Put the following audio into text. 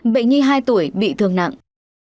bệnh nhi hai tuổi bị thương nặng